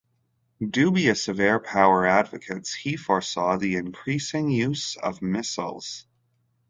Dubious of air-power advocates, he foresaw the increasing use of missiles.